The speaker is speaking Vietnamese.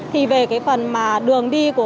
thì về cái phần mà đường đi của